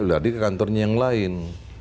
lagi ke kantornya yang lain